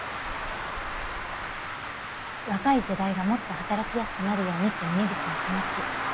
若い世代がもっと働きやすくなるようにって峰岸の気持ち